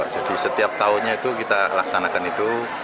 jadi setiap tahunnya kita laksanakan itu